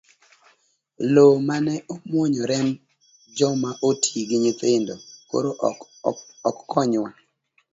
Loo mane omuonyo remb joma oti gi nyithindo, koro ok konywa.